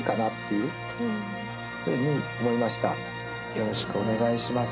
よろしくお願いします。